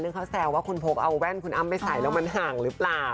ซึ่งเขาแซวว่าคุณพกเอาแว่นคุณอ้ำไปใส่แล้วมันห่างหรือเปล่า